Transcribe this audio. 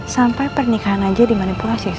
sampai pernikahan aja dimanipulasi